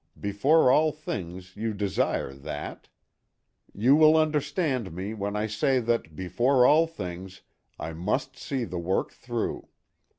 Before all things you desire that. You will understand me when I say that, before all things, I must see the work through.